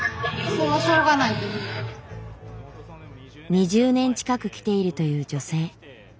２０年近く来ているという女性。